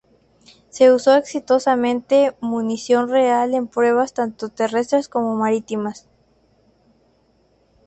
Se usó exitosamente munición real en pruebas tanto terrestres como marítimas.